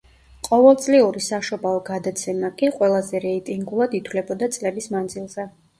ყოველწლიური საშობაო გადაცემა კი, ყველაზე რეიტინგულად ითვლებოდა წლების მანძილზე.